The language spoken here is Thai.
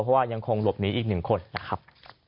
เพราะว่ายังคงหลบหนีอีก๑คนนะครับ